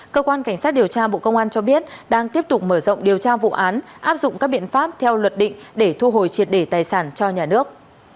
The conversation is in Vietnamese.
cơ quan cảnh sát điều tra bộ công an cho biết đang tiếp tục mở rộng điều tra vụ án áp dụng các biện pháp theo luật định để thu hồi triệt để tài sản cho nhà nước